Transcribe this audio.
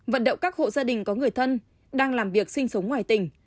vận động các hộ gia đình có người thân đang làm việc sinh sống ngoài tỉnh